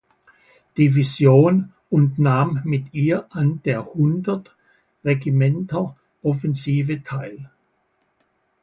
Division und nahm mit ihr an der Hundert-Regimenter-Offensive teil.